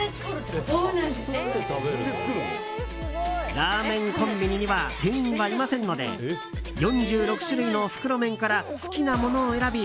ラーメンコンビニには店員はいませんので４６種類の袋麺から好きなものを選び